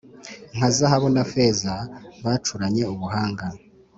nka zahabu na feza bacuranye ubuhanga,